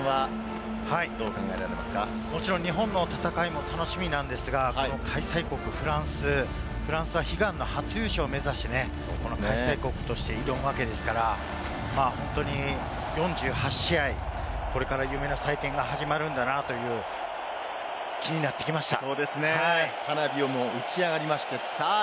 もちろん日本の戦いも楽しみなんですが、開催国フランス、フランスは悲願の初優勝を目指してこの開催国として挑むわけですから、本当に４８試合、これから夢の祭典が始まるんだなという気になってきました。